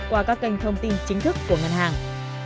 qua các kênh thông tin chính thức của ngân hàng